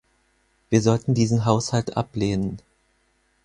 Wir sollten diesen Haushalt ablehnen.